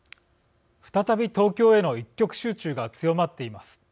再び、東京への一極集中が強まっています。